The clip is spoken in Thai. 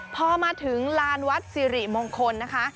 พอมาถึงลานวัดสิริมงคลนะคะ